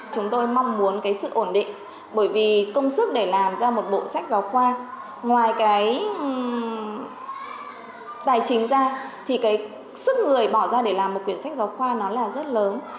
chúng tôi mong muốn cái sự ổn định bởi vì công sức để làm ra một bộ sách giáo khoa ngoài cái tài chính ra thì cái sức người bỏ ra để làm một quyển sách giáo khoa nó là rất lớn